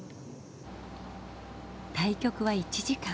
対局は１時間。